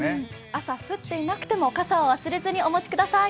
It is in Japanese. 朝降っていなくても傘を忘れずにお持ちください。